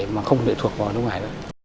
mà không lệ thuộc vào nước ngoài